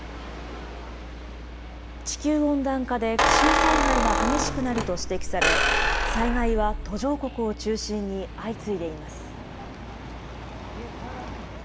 地球温暖化で気象災害が激しくなると指摘され、災害は途上国を中心に相次いでいます。